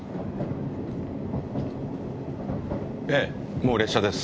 もう列車です。